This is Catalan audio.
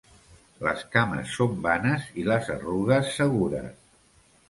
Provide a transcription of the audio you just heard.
Les cames són vanes i les arrugues segures.